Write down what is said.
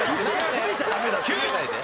攻めちゃダメ。